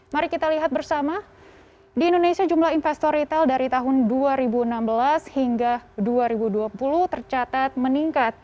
mari kita lihat bersama di indonesia jumlah investor retail dari tahun dua ribu enam belas hingga dua ribu dua puluh tercatat meningkat